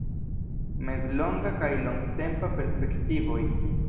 Mezlonga kaj longtempa perspektivoj.